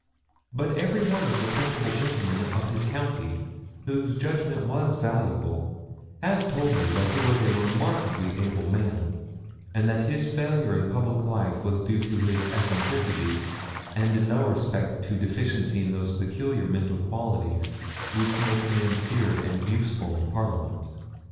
But every one of the principal gentlemen of his county, whose judgment was valuable, has told me that he was a remarkably able man, and that his failure in public life was due to his eccentricities, and in no respect to deficiency in those peculiar mental qualities which make men feared and useful in Parliament.